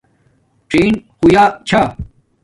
څین ہویاچھا